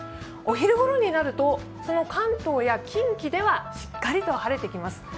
お昼ごろになると、その関東や近畿ではしっかりと晴れてきます。